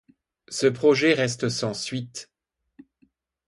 Ce projet reste sans suite.